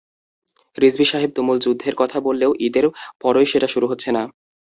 রিজভী সাহেব তুমুল যুদ্ধের কথা বললেও ঈদের পরই সেটা শুরু হচ্ছে না।